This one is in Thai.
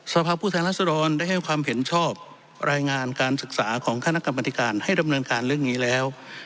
สภาพผู้แทนรัศดรได้ให้ความเห็นชอบรายงานการศึกษาของคณะกรรมธิการให้ดำเนินการเรื่องนี้แล้ว